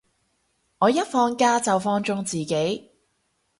我一放連假就放縱自己